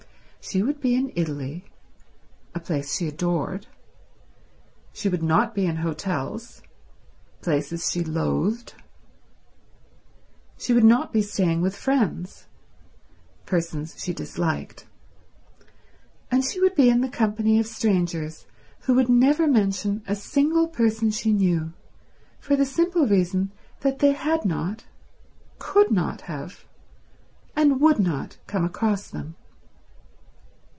She would be in Italy—a place she adored; she would not be in hotels—places she loathed; she would not be staying with friends—persons she disliked; and she would be in the company of strangers who would never mention a single person she knew, for the simple reason that they had not, could not have, and would not come across them.